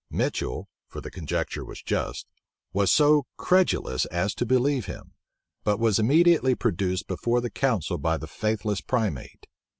Mitchel (for the conjecture was just) was so credulous as to believe him; but was immediately produced before the council by the faithless primate.